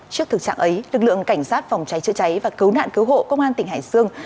trước thực trạng ấy lực lượng cảnh sát phòng cháy chữa cháy và cứu nạn cứu hộ công an tỉnh hải dương